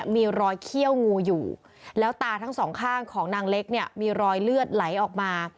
มีรอยเลือดไหลออกมา